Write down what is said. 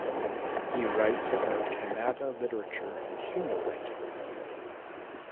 He writes about Kannada literature and humor writing.